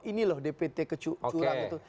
ini loh dpt kecurang itu